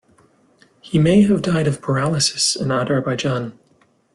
He may have died of paralysis in Adharbayjan.